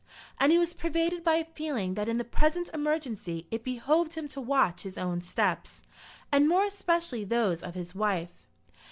And he was pervaded by a feeling that in the present emergency it behoved him to watch his own steps, and more especially those of his wife.